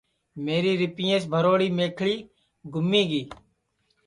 میری ریپئیس بھروڑی میکھݪی گُمی گی